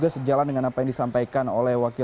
apa yang kemarin sampai kemari